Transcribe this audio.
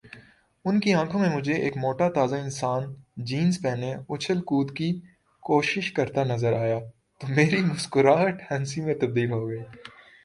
ان کی آنکھوں میں مجھے ایک موٹا تازہ انسان جینز پہنے اچھل کود کی کوشش کرتا نظر آیا تو میری مسکراہٹ ہنسی میں تبدیل ہوگئی